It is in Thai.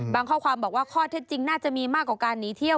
ข้อความบอกว่าข้อเท็จจริงน่าจะมีมากกว่าการหนีเที่ยว